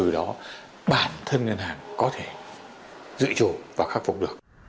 để từ đó